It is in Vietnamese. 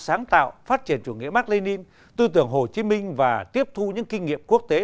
sáng tạo phát triển chủ nghĩa mạc lê ninh tư tưởng hồ chí minh và tiếp thu những kinh nghiệm quốc tế